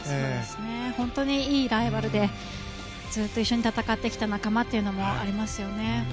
本当にいいライバルでずっと一緒に戦ってきた仲間というのもありますね。